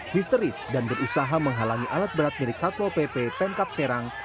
histeris dan berusaha menghalangi alat berat milik satpol pp pemkap serang